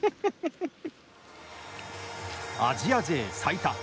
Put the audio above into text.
アジア勢最多。